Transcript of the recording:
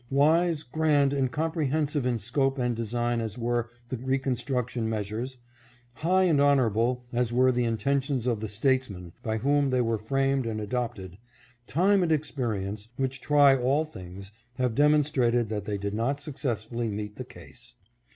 Wise, grand, and com prehensive in scope and design as were the reconstruc tion measures, high and honorable as were the intentions of the statesmen by whom they were framed and adopted, time and experience, which try all things, have demonstrated that they did not successfully meet the case.